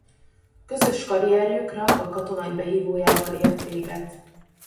Közös karrierjük Ranga katonai behívójával ért véget.